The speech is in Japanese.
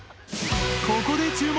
ここで注目！